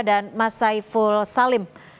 dan mas saiful salim